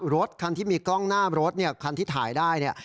รถคันที่มีกล้องหน้ารถเนี่ยคันที่ถ่ายได้เนี่ย